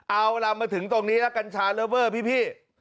เอาล่ะมาถึงตรงนี้แล้วกัญชาเลอเวอร์พี่